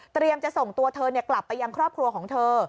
จะส่งตัวเธอกลับไปยังครอบครัวของเธอ